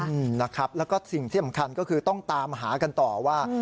อืมนะครับแล้วก็สิ่งที่สำคัญก็คือต้องตามหากันต่อว่า